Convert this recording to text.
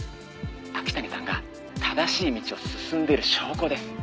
「秋谷さんが正しい道を進んでいる証拠です」